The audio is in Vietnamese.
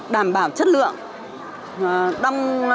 đảm bảo chất lượng